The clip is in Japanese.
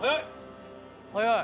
早い！